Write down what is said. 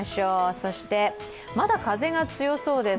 そして、まだ風が強そうです。